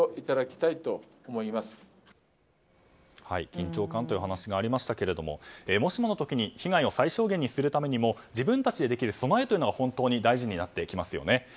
緊張感という話がありましたけれどももしもの時に被害を最小限にするためにも自分たちでできる備えというのは本当に大事になってきますよね。